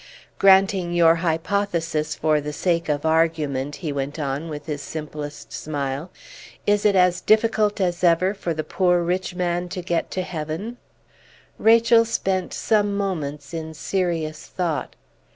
"Granting your hypothesis, for the sake of argument," he went on, with his simplest smile; "is it as difficult as ever for the poor rich man to get to heaven?" Rachel spent some moments in serious thought.